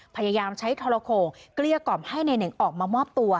พยายามใช้โทรโขงเกลี้ยกล่อมให้นายเน่งออกมามอบตัว